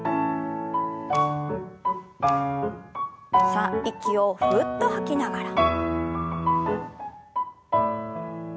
さあ息をふうっと吐きながら。